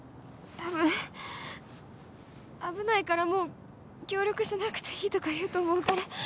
多分「危ないからもう協力しなくていい」とか言うと思うから。